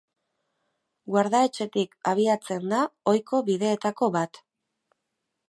Guardetxetik abiatzen da ohiko bideetako bat.